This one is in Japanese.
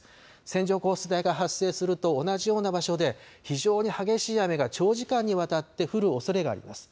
線状降水帯が発生すると、同じような場所で非常に激しい雨が長時間にわたって降るおそれがあります。